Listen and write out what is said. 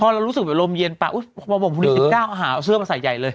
พอเรารู้สึกว่าลมเย็นปะอุ้ยพอบอกว่าสิบเก้าเอาเสื้อมาใส่ใหญ่เลย